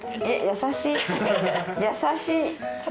優しい。